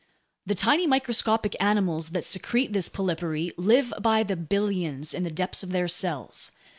The tiny microscopic animals that secrete this polypary live by the billions in the depths of their cells.